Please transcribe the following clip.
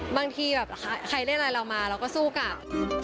บางทีแบบใครเล่นอะไรเรามาเราก็สู้กลับ